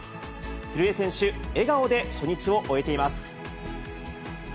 古江選手、笑顔で初日を終えています。